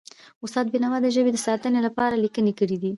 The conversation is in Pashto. استاد بینوا د ژبې د ساتنې لپاره لیکنې کړی دي.